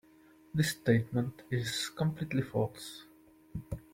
This statement is completely false.